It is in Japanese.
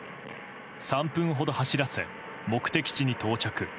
３分ほど走らせ目的地に到着。